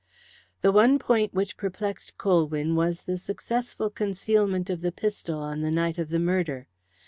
The one point which perplexed Colwyn was the successful concealment of the pistol on the night of the murder.